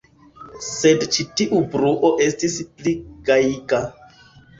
Sed ĉi tiu bruo estis pli gajiga.